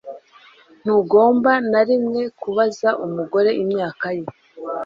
Ntugomba na rimwe kubaza umugore imyaka ye